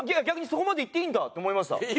逆に「そこまで言っていいんだ！」って思いました。